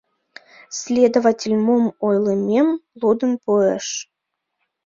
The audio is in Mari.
Следователь мом ойлымем лудын пуыш.